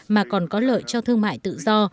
mà còn có lợi cho thương mại tự do